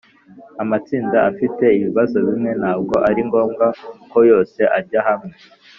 Amatsinda afite ibibazo bimwe ntabwo ari ngombwa ko yose ajya hamwe